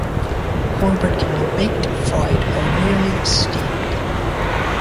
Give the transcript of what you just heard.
Cornbread can be baked, fried or, rarely, steamed.